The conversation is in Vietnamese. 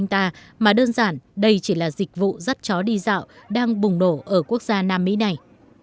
chú chó này không thuộc về sở hữu của anh ta mà đơn giản đây chỉ là dịch vụ dắt chó đi dạo đang bùng nổ ở quốc gia nam mỹ này